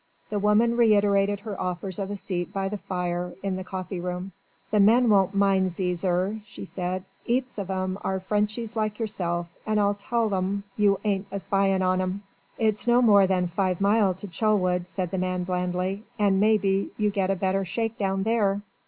The woman reiterated her offers of a seat by the fire in the coffee room. "The men won't mind ye, zir," she said, "heaps of 'em are Frenchies like yourself, and I'll tell 'em you ain't a spying on 'em." "It's no more than five mile to Chelwood," said the man blandly, "and maybe you get a better shakedown there."